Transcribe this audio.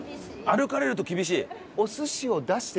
歩かれると厳しい。